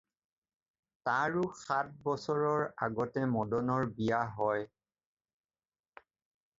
তাৰো সাত বছৰৰ আগতে মদনৰ বিয়া হয়।